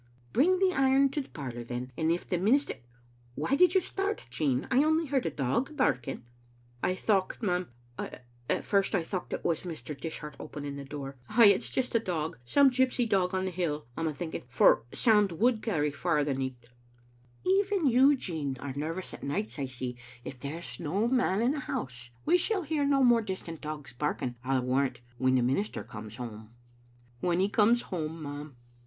"Bring the iron to the parlor, then. And if the minis — Why did you start, Jean? I only heard a dog barking." " I thocht, ma'am — at first I thocht it was Mr. Dishart opening the door. Ay, it's just a dog; some gypsy dog on the hill, I'm thinking, for sound would carry far the nicht." "Even you, Jean, are nervous at nightSi I seOi if Digitized by VjOOQ IC vt6 Qbe Kittle Aiitteter. there is no man in the house. We shall hear no more distant dogs barking, I warrant, when the minister comes home. " "When he comes home, ma'am."